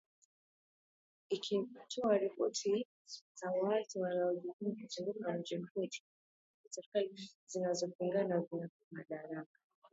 Ikitoa ripoti za waasi wanaojihami kuzunguka mji mkuu Tripoli ,huku serikali zinazopingana zikiwania madaraka